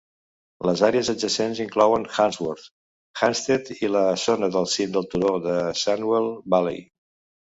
Les àrees adjacents inclouen Handsworth, Hamstead i la zona del cim del turó de Sandwell Valley.